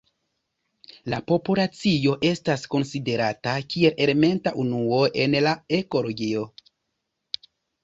La populacio estas konsiderata kiel elementa unuo en la ekologio.